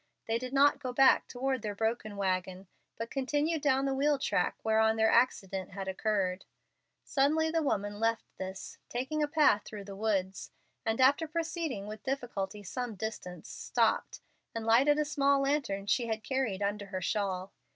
They did not go back toward their broken wagon, but continued down the wheel track whereon their accident had occurred. Suddenly the woman left this, taking a path through the woods, and after proceeding with difficulty some distance, stopped, and lighted a small lantern she had carried under her shawl.